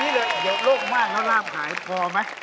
เดี๋ยวโลกมากแล้วราบหายพอไหม